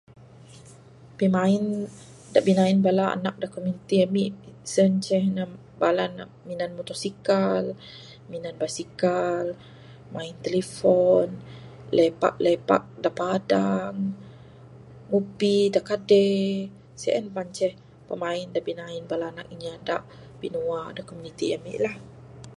Pimain da binain bala anak da komuniti ami sien ceh ne bala ne minan mutosikal, minan basikal, main tilifon, lepak-lepak da padang, ngupi da kadey...sien mah ceh pimain da binain bala anak inya da binua da komuniti ami luah.